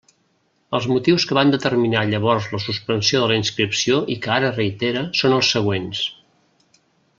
Els motius que van determinar llavors la suspensió de la inscripció i que ara reitera són els següents.